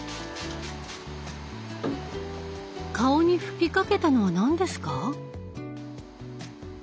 顔に吹きかけたのは何ですか？